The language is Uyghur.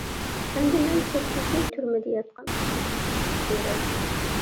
ئەمدى مەن سەككىز يىل تۈرمىدە ياتقان ئىشىمنى سۆزلەپ بېرەي.